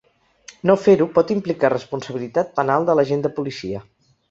No fer-ho pot implicar responsabilitat penal de l’agent de policia.